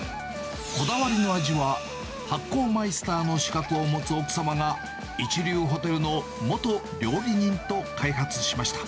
こだわりの味は、発酵マイスターの資格を持つ奥様が、一流ホテルの元料理人と開発しました。